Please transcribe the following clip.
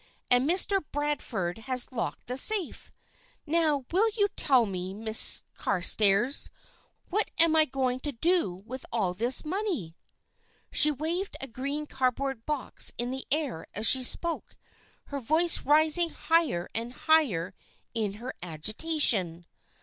And Mr. Bradford has locked the safe! Now will you tell me, Miss Carstairs, what I am going to do with all this money?" She waved a green cardboard box in the air as she spoke, her voice rising higher and higher in her agitation.